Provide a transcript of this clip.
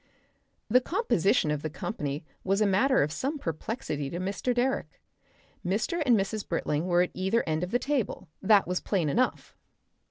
The composition of the company was a matter for some perplexity to Mr. Direck. Mr. and Mrs. Britling were at either end of the table, that was plain enough.